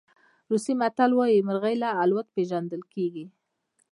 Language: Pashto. روسي متل وایي مرغۍ له الوت پېژندل کېږي.